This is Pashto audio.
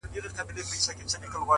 کرۍ ورځ یم وږې تږې ګرځېدلې-